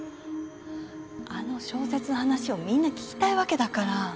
あの小説の話をみんな聞きたいわけだから。